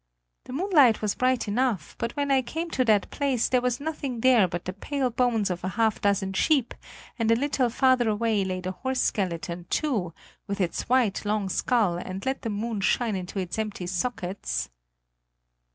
The moonlight was bright enough; but when I came to that place there was nothing there but the pale bones of a half dozen sheep, and a little farther away lay the horse skeleton, too, with its white, long skull and let the moon shine into its empty sockets."